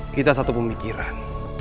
kita satu pemikiran